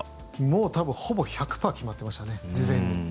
もう多分、ほぼ１００％決まってましたね、事前に。